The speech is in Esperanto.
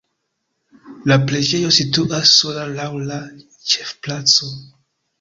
La preĝejo situas sola laŭ la ĉefplaco.